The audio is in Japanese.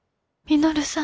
稔さん！